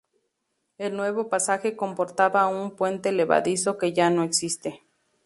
El nuevo pasaje comportaba un puente levadizo que ya no existe.